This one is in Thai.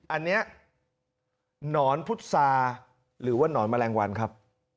อันนี้หนอนพุษาหรือว่านอนแมลงวันครับ